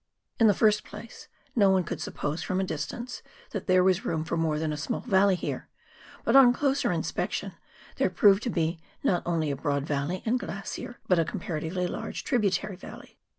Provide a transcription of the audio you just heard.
In the first place, no one would suppose — from a distance — that there was room for more than a small valley here ; but on closer inspection there proved to be, not only a broad valley and glacier, but a comparatively large tributary valley.